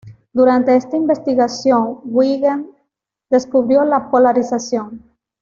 Durante esta investigación Huygens descubrió la polarización.